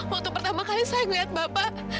waktu pertama kali saya ngeliat bapak